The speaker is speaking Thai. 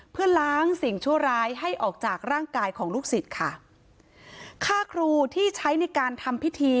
เพื่อล้างสิ่งชั่วร้ายให้ออกจากร่างกายของลูกศิษย์ค่ะค่าครูที่ใช้ในการทำพิธี